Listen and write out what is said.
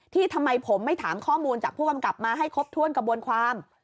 ทำไมผมไม่ถามข้อมูลจากผู้กำกับมาให้ครบถ้วนกระบวนความ